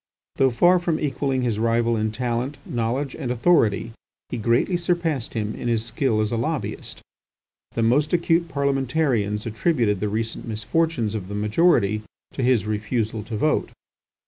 Though far from equalling his rival in talent, knowledge, and authority, he greatly surpassed him in his skill as a lobbyist. The most acute parliamentarians attributed the recent misfortunes of the majority to his refusal to vote.